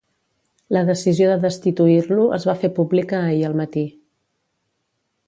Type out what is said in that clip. La decisió de destituir-lo es va fer pública ahir al matí.